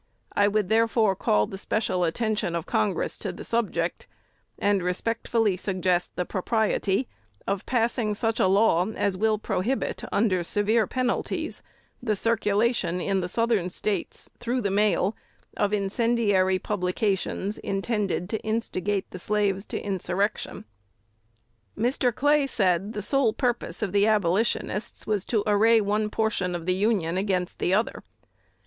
I would therefore call the special attention of Congress to the subject, and respectfully suggest the propriety of passing such a law as will prohibit, under severe penalties, the circulation in the Southern States, through the mail, of incendiary publications, intended to instigate the slaves to insurrection." Mr. Clay said the sole purpose of the Abolitionists was to array one portion of the Union against the other.